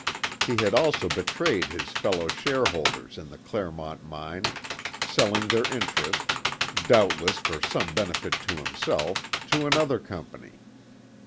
He had also betrayed his fellow shareholders in the Clermont mine, selling their interests, doubtless for some benefit to himself, to another company.